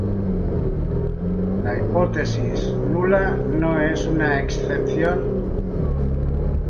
La hipótesis nula no es una excepción.